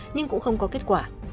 nhưng cũng không có kết quả